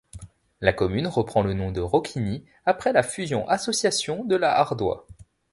La commune reprend le nom de Rocquigny après la fusion-association de La Hardoye.